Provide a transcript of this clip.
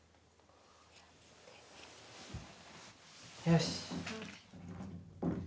よし。